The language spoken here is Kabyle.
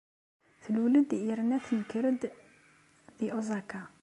Tlul-d yerna tenker-d deg Osaka.